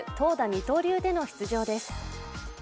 二刀流での出場です。